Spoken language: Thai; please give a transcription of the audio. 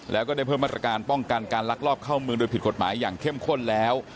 แล้วก็ได้เพิ่มมาตรการป้องกันการลักลอบเข้าเมืองโดยผิดกฎหมายอย่างเข้มข้นแล้ว